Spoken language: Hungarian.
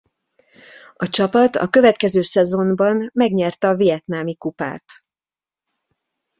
A csapat a következő szezonban megnyerte a Vietnámi Kupát.